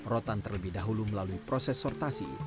rotan terlebih dahulu melalui proses sortasi